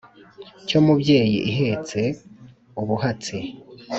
cyo mbyeyi ihetse ubuhatsi